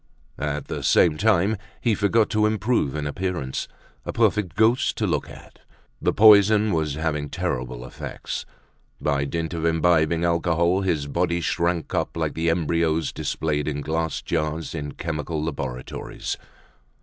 At the same time, he forgot to improve in appearance; a perfect ghost to look at! The poison was having terrible effects. By dint of imbibing alcohol, his body shrunk up like the embryos displayed in glass jars in chemical laboratories.